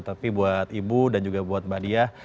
tapi buat ibu dan juga buat mbak diah